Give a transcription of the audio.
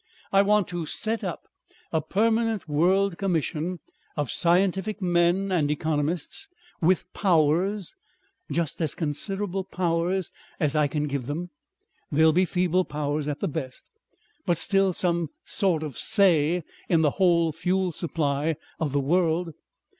I want to set up a permanent world commission of scientific men and economists with powers, just as considerable powers as I can give them they'll be feeble powers at the best but still some sort of SAY in the whole fuel supply of the world.